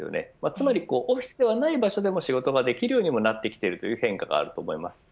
つまりオフィスではない場所でも仕事ができるようになってきている変化があると思います。